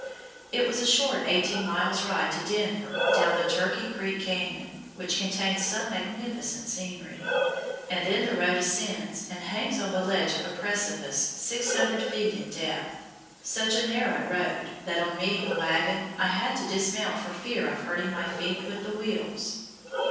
It was a short eighteen miles' ride to Denver down the Turkey Creek Canyon, which contains some magnificent scenery, and then the road ascends and hangs on the ledge of a precipice 600 feet in depth, such a narrow road that on meeting a wagon I had to dismount for fear of hurting my feet with the wheels.